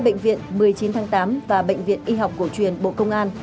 bệnh viện một mươi chín tháng tám và bệnh viện y học cổ truyền bộ công an